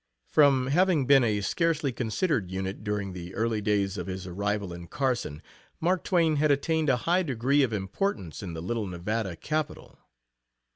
From having been a scarcely considered unit during the early days of his arrival in Carson Mark Twain had attained a high degree of importance in the little Nevada capital.